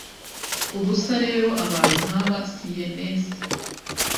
Ubusa rero abantu nkaba Sienese